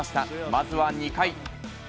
まずは２回。